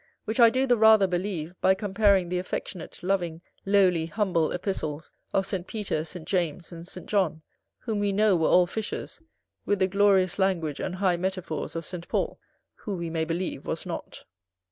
Which I do the rather believe, by comparing the affectionate, loving, lowly, humble Epistles of St. Peter, St. James, and St. John, whom we know were all fishers, with the glorious language and high metaphors of St. Paul, who we may believe was not.